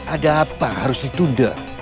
ada apa harus ditunda